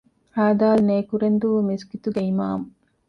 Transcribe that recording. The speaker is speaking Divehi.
ހދ. ނޭކުރެންދޫ މިސްކިތުގެ އިމާމު